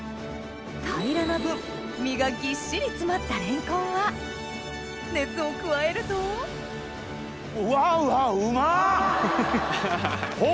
平らな分身がぎっしり詰まったレンコンは熱を加えるとうわうわ。